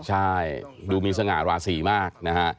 ใช่ดูมีสง่าราศีมากนะฮะ